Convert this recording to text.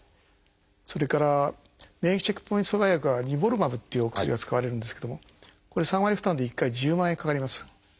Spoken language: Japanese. それから免疫チェックポイント阻害薬は「ニボルマブ」というお薬が使われるんですけどもこれ３割負担で１回１０万円かかります。